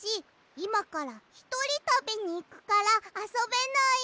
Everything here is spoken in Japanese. いまからひとりたびにいくからあそべない。